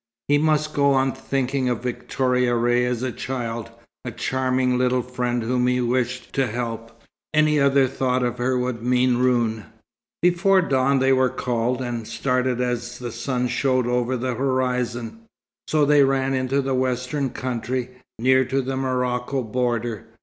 He must go on thinking of Victoria Ray as a child, a charming little friend whom he wished to help. Any other thought of her would mean ruin. Before dawn they were called, and started as the sun showed over the horizon. So they ran into the western country, near to the Morocco border.